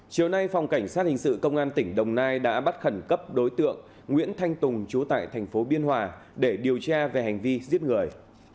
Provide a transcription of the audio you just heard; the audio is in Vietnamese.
chiều nay phòng cảnh sát hình sự công an tỉnh đồng nai đã bắt khẩn cấp đối tượng nguyễn thanh tùng chú tại thành phố biên hòa để điều tra về hành vi giết người